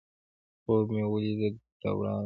خوب مې ولیدی د وړانګو